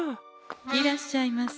いらっしゃいませ。